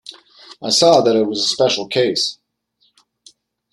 I saw that it was a special case.